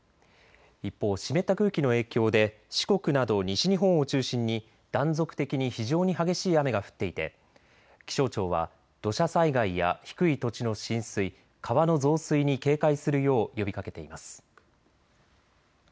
一方、湿った空気の影響で四国など西日本を中心に断続的に非常に激しい雨が降っていて気象庁は土砂災害や低い土地の浸水、川の増水に警戒するよう呼びかけています。